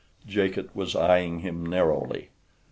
Jacot was eyeing him narrowly.